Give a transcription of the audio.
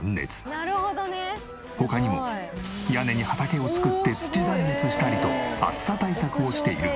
他にも屋根に畑を作って土断熱したりと暑さ対策をしている。